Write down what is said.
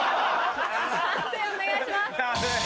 判定お願いします。